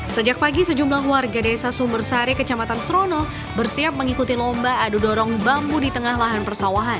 sejak pagi sejumlah warga desa sumbersari kecamatan srono bersiap mengikuti lomba adu dorong bambu di tengah lahan persawahan